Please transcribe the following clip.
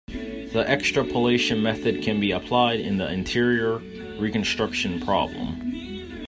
The extrapolation method can be applied in the interior reconstruction problem.